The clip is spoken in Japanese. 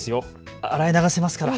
洗い流せますから。